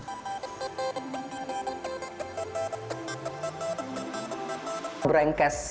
tempoet durian khas palembang